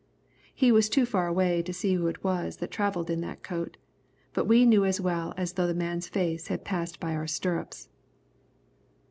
It was too far away to see who it was that travelled in that coat, but we knew as well as though the man's face had passed by our stirrups.